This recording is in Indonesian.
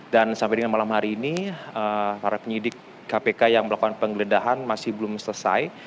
dan sampai dengan malam hari ini para penyelidik kpk yang melakukan penggeledahan masih belum selesai